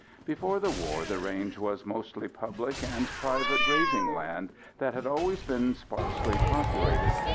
Before the war the range was mostly public and private grazing land that had always been sparsely populated.